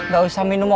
gak usah minum obat